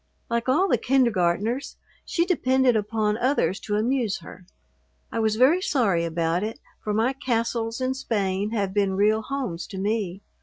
Like all the kindergartners, she depended upon others to amuse her. I was very sorry about it, for my castles in Spain have been real homes to me.